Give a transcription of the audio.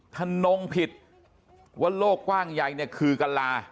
นงผิดว่าโลกกว้างใหญ่เนี่ยคือกะลา